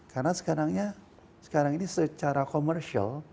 karena sekarang ini secara komersial